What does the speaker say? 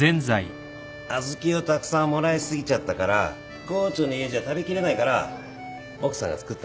アズキをたくさんもらい過ぎちゃったから郷長の家じゃ食べきれないから奥さんが作ったんだ。